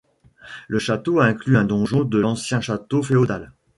Le château inclut un donjon de l'ancien château féodal.